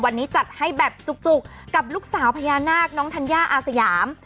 วันนี้จัดให้แบบจุกกับลูกสาวพญานาคน้องธัญญาอาสยาม